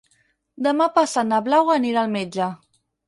Demà passat na Blau anirà al metge.